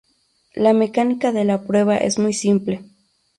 La mecánica de la prueba es muy simple.